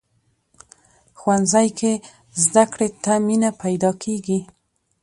ښوونځی کې زده کړې ته مینه پیدا کېږي